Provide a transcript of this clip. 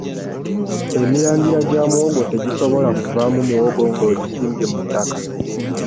Emirandira gya muwogo tegisobola kuvaamu muwogo ng'ogisimbye mu ttaka.